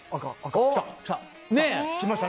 来ましたね。